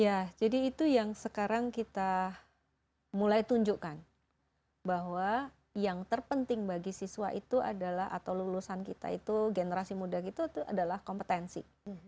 ya jadi itu yang sekarang kita mulai tunjukkan bahwa yang terpenting bagi siswa itu adalah atau lulusan kita itu generasi muda itu adalah kompetensi